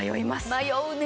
迷うね！